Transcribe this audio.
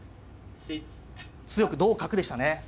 強く同角でしたね。